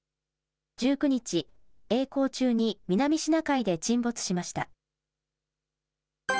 １９日、えい航中に南シナ海で沈没しました。